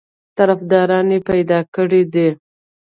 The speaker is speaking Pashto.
طرفداران پیدا کړي دي.